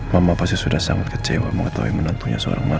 mama pasti sudah sangat kecewa mengetahui menantunya seorang mama